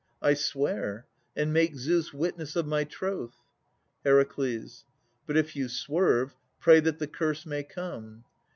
I swear, and make Zeus witness of my troth. HER. But if you swerve, pray that the curse may come.